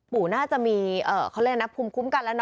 ปู่น่าจะมีเอ่อเขาเรียกนะภูมิคุ้มกันแล้วนะ